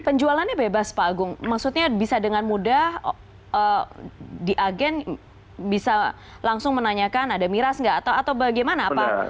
penjualannya bebas pak agung maksudnya bisa dengan mudah di agen bisa langsung menanyakan ada miras nggak atau bagaimana pak